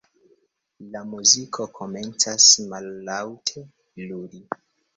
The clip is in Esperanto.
La muziko komencas mallaŭte ludi.